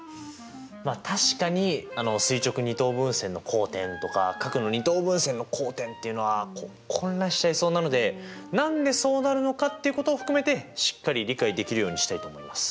まあ確かに垂直二等分線の交点とか角の二等分線の交点っていうのは混乱しちゃいそうなので何でそうなるのかっていうことを含めてしっかり理解できるようにしたいと思います。